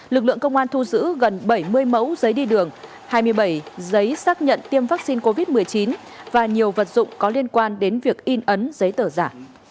lực lượng công an thu giữ gần bảy mươi mẫu giấy đi đường hai mươi bảy giấy xác nhận tiêm vaccine covid một mươi chín và nhiều vật dụng có liên quan đến việc in ấn giấy tờ giả